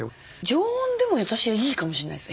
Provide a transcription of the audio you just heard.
常温でも私はいいかもしれないです。